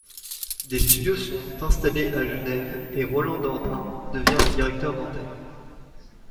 Des studios sont installés à Genève et Roland Dhordain devient le directeur d'antenne.